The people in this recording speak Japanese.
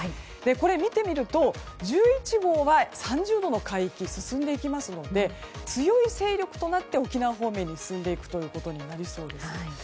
見てみると、１１号は３０度の海域を進んでいきますので強い勢力となって沖縄方面に進んでいくことになりそうです。